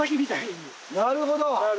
なるほど。